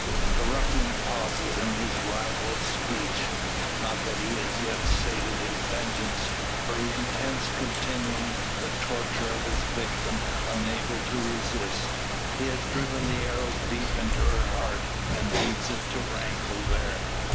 The ruffian pauses in his ribald speech. Not that he has yet sated his vengeance, for he intends continuing the torture of his victim unable to resist. He has driven the arrow deep into her heart, and leaves it to rankle there.